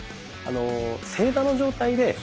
あの正座の状態で。